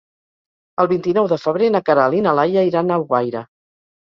El vint-i-nou de febrer na Queralt i na Laia iran a Alguaire.